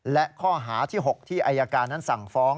และข้อหาที่๖ที่อายการนั้นสั่งฟ้อง